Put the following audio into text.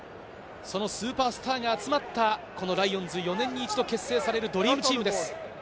そのスーパースターが集まったこのライオンズ、４年に一度結成されるドリームチームです。